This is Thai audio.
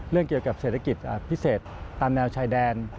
เรื่องเกี่ยวกับเศรษฐกิจพิเศษตามแนวชายแดน